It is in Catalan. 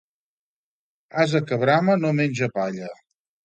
Ase que brama no menja palla.